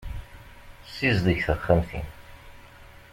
Sizdeg taxxamt-im.